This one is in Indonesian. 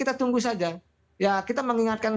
kita tunggu saja ya kita mengingatkan